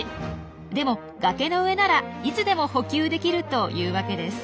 でも崖の上ならいつでも補給できるというわけです。